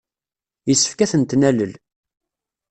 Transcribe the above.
Yessefk ad tent-nalel.